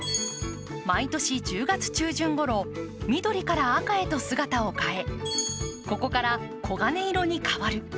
毎年１０月中旬ごろ、緑から赤へと姿を変え、ここから黄金色に変わる。